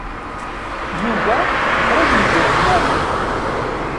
Yuba qrib yejreḥ Mary.